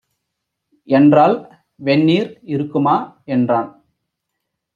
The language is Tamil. என்றாள். "வெந்நீர் இருக்குமா" என்றான்.